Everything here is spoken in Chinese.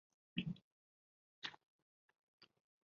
路德同外交部长里宾特洛甫商讨了这一计划。